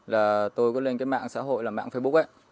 là tôi có lên cái mạng xã hội là mạng facebook ấy